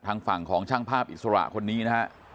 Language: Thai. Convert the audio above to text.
ทางฝั่งของช่างภาพอิสระคนนี้นะฮะ